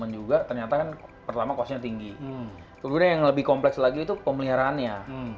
juga ternyata kan pertama kosnya tinggi kemudian yang lebih kompleks lagi itu pemeliharaannya